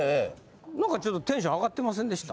なんかちょっとテンション上がってませんでした？